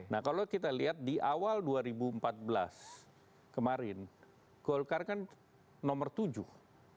nah kalau kita lihat di awal dua ribu empat belas kemarin golkar kan nomor tujuh